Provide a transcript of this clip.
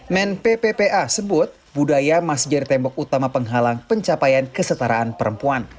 men pppa sebut budaya masjid tembok utama penghalang pencapaian kesetaraan perempuan